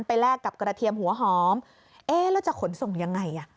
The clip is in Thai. แลกกับกระเทียมหัวหอมเอ๊ะแล้วจะขนส่งยังไงอ่ะ